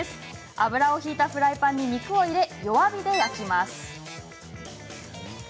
油を引いたフライパンに肉を入れ、弱火で焼きます。